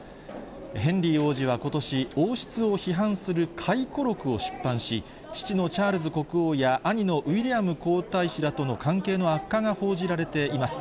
ヘンリー王子はことし、王室を批判する回顧録を出版し、父のチャールズ国王や兄のウィリアム皇太子らとの関係の悪化が報じられています。